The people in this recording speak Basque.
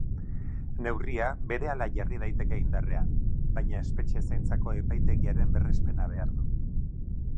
Neurria berehala jarri daiteke indarrean, baina espetxe zaintzako epaitegiaren berrespena behar du.